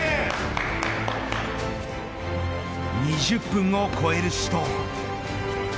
２０分を超える死闘。